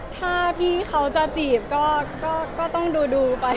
ถ้าพี่เขาจะจีบก็ต้องดูดูดึงไปค่ะ